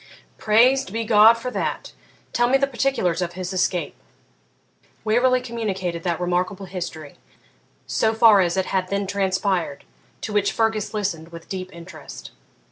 'Praised be God for that! Tell me the particulars of his escape.' Waverley communicated that remarkable history, so far as it had then transpired, to which Fergus listened with deep interest.